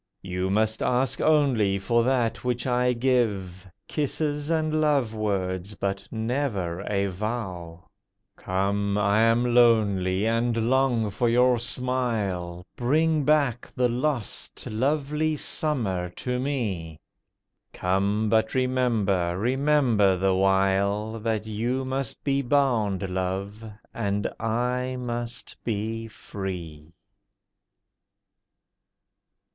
You must ask only for that which I give— Kisses and love words, but never a vow. Come! I am lonely, and long for your smile, Bring back the lost lovely Summer to me! Come! but remember, remember the while, That you must be bound, Love, and I must be free.